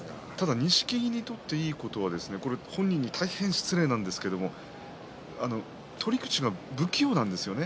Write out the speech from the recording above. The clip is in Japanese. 錦木にとっていいことは本人にとても失礼なんですが取り口が不器用なんですよね。